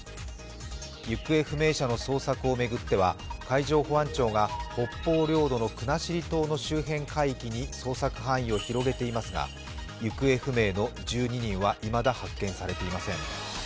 行方不明者の捜索を巡っては海上保安庁が北方領土の国後島の周辺海域に捜索範囲を広げていますが行方不明の１２人はいまだ発見されていません。